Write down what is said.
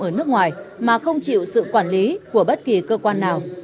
ở nước ngoài mà không chịu sự quản lý của bất kỳ cơ quan nào